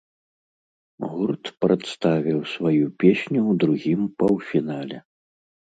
Гурт прадставіў сваю песню ў другім паўфінале.